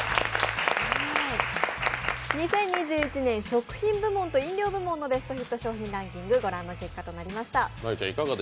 ２０２１年食品部門と飲料部門のベストヒット商品ランキング、御覧の結果となりました。